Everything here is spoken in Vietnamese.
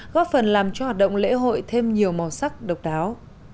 góp phần làm cho hoạt động lễ hội thêm nhiều màu sắc độc đáo